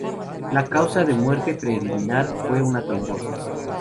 La causa de muerte preliminar fue una trombosis.